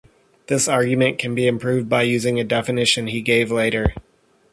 This argument can be improved by using a definition he gave later.